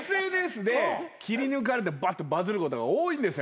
ＳＮＳで切り抜かれてバッとバズることが多いんですよ